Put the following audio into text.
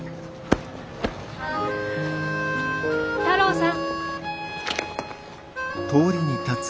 太郎さん。